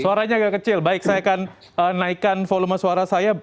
suaranya agak kecil baik saya akan naikkan volume suara saya